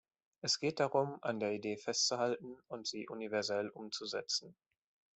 Es geht darum, an der Idee festzuhalten und sie universell umzusetzen.